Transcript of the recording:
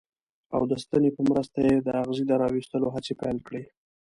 او د ستنې په مرسته یې د اغزي د را ویستلو هڅې پیل کړې.